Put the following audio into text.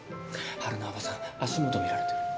春菜叔母さん足元見られて。